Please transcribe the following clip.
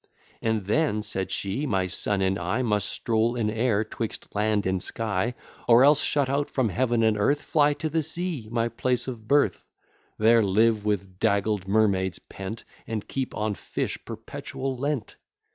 And then, said she, my son and I Must stroll in air, 'twixt land and sky; Or else, shut out from heaven and earth, Fly to the sea, my place of birth: There live with daggled mermaids pent, And keep on fish perpetual Lent.